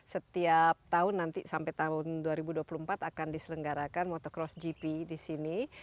setiap tahun nanti sampai tahun dua ribu dua puluh empat akan diselenggarakan motocross gp di sini